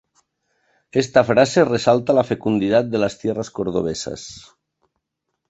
Esta frase resalta la fecundidad de las tierras cordobesas.